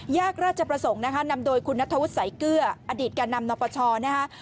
แยกราชประสงค์นะคะนำโดยคุณนัทธวุฒิสายเกลืออดีตแก่นำนปชนะคะ